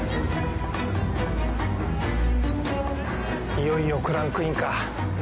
いよいよクランクインか。